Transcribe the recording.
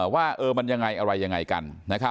ว่ามันยังไงอะไรยังไงกัน